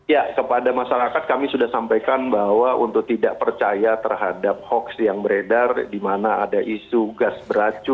ya kepada masyarakat kami sudah sampaikan bahwa untuk tidak percaya terhadap hoax yang beredar di mana ada isu gas beracun